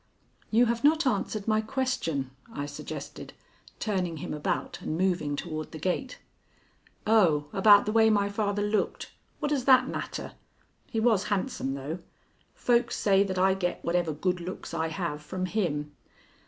"You have not answered my question," I suggested, turning him about and moving toward the gate. "Oh, about the way my father looked! What does that matter? He was handsome, though. Folks say that I get whatever good looks I have from him.